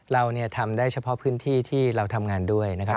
เราทำได้เฉพาะพื้นที่ที่เราทำงานด้วยนะครับ